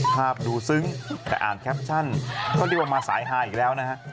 ภาพดูซึ้งแต่อ่านแคปชั่นเขาเรียกว่ามาสายฮาอีกแล้วนะฮะ